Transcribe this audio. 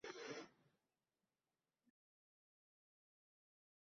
boshqa fermerlarning yerlarini olib qo‘yilishi natijasida yerga ega bo‘lganlar